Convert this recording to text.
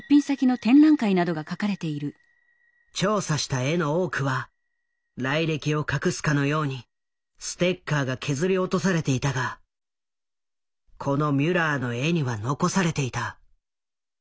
調査した絵の多くは来歴を隠すかのようにステッカーが削り落とされていたがこのミュラーの絵には残されていた。